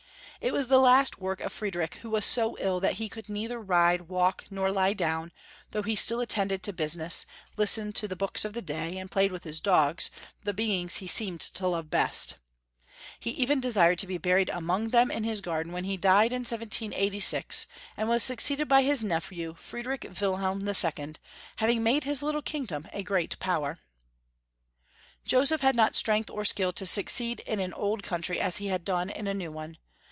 It was the last work of Fried rich, who was so ill that he could neither ride, walk, nor lie down, though he still attended to business, listened to the books of the day, and played with his dogs, the beings he seemed to love best. He even desired to be buried among them 422 Young FolW Hutory of Crermany. in his garden when he died in 1786, and was suc ceeded by his nephew, Friedrich Wilhehn II., having made his little kingdom a great power. Joseph had not strength or skill to succeed in an old country as he had done in a new one.